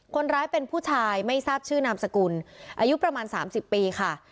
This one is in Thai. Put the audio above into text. คนร้ายเป็นผู้ชายไม่ทราบชื่อนามสกุลอายุประมาณ๓๐ปีค่ะ